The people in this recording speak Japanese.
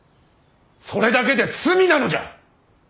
それだけで罪なのじゃ！